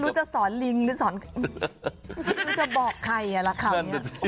ไม่รู้จะสอนลิงหรือสอนไม่รู้จะบอกใครอ่ะละคำนี้